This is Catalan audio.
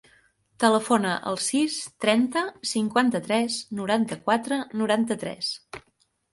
Telefona al sis, trenta, cinquanta-tres, noranta-quatre, noranta-tres.